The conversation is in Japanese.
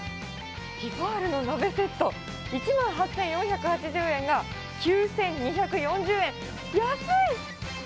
ティファールの鍋セット、１万８４８０円が９２４０円、安い！